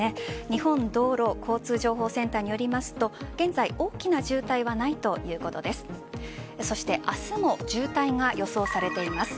日本道路交通情報センターによりますと現在大きな渋滞はないということです。